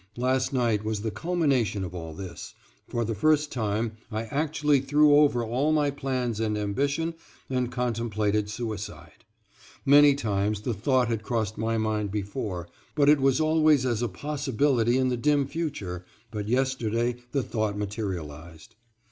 Last night was the culmination of all this for the first time I actually threw over all my plans and ambition and contemplated suicide. Many times the thought had crossed my mind before, but it was always as a possibility in the dim future, but yesterday the thought materialized.